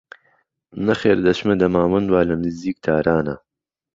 نەخێر دەچمە دەماوەند وا لە نیزیک تارانە